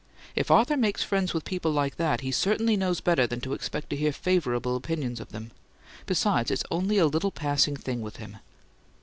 If Arthur makes friends with people like that, he certainly knows better than to expect to hear favourable opinions of them. Besides, it's only a little passing thing with him."